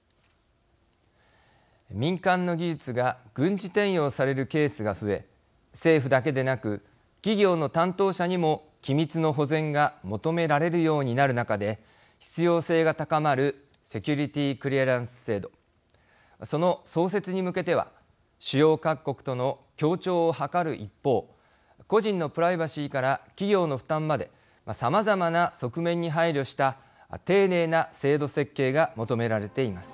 民間の技術が軍事転用されるケースが増え政府だけでなく企業の担当者にも機密の保全が求められるようになる中で必要性が高まるセキュリティークリアランス制度その創設に向けては主要各国との協調を図る一方個人のプライバシーから企業の負担までさまざまな側面に配慮した丁寧な制度設計が求められています。